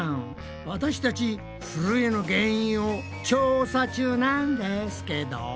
私たちふるえの原因を調査中なんですけど。